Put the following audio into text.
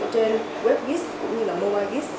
ở trên web gis cũng như là mobile gis